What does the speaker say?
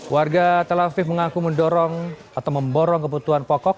warga tel aviv mengaku mendorong atau memborong kebutuhan pokok